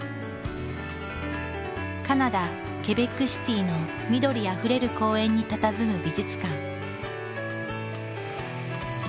カナダ・ケベックシティの緑あふれる公園にたたずむ美術館。